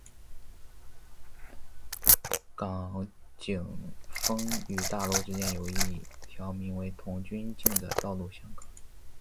港景峰与大楼之间有一条名为童军径的道路相隔。